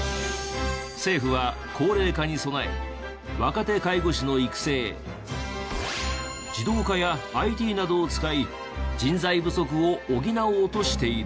政府は高齢化に備え若手介護士の育成自動化やＩＴなどを使い人材不足を補おうとしている。